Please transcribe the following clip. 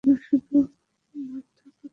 Martha কোথায় আছে জানো?